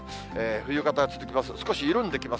冬型が続きます。